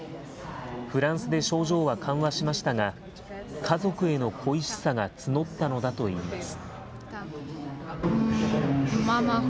フランスで症状は緩和しましたが、家族への恋しさが募ったのだといいます。